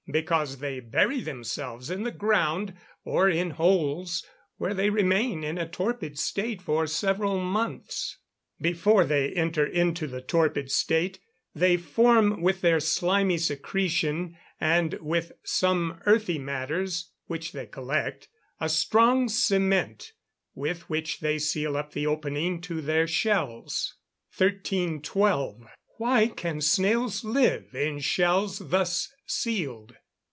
_ Because they bury themselves in the ground, or in holes, where they remain in a torpid state for several months. Before they enter into the torpid state, they form with their slimy secretion, and with some earthy matters which they collect, a strong cement with which they seal up the opening to their shells. 1312. _Why can snails live in shells thus sealed?